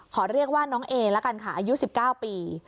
ขอเรียกว่าน้องเอละกันค่ะอายุ๑๙ปี